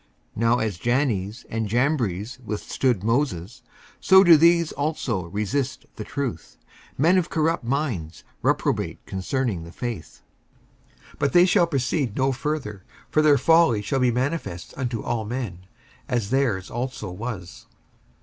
55:003:008 Now as Jannes and Jambres withstood Moses, so do these also resist the truth: men of corrupt minds, reprobate concerning the faith. 55:003:009 But they shall proceed no further: for their folly shall be manifest unto all men, as their's also was.